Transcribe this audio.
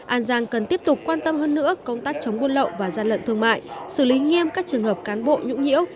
an giang cần tiếp tục quan tâm hơn nữa công tác chống buôn lậu và gian lận thương mại xử lý nghiêm các trường hợp cán bộ nhũng nhiễu